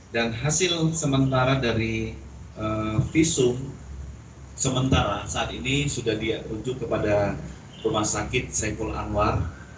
hasil sementara dari visum sementara saat ini sudah dia rujuk kepada rumah sakit saiful anwar